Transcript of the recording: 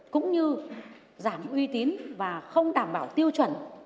cũng như giảm uy tín và không đảm bảo tiêu chuẩn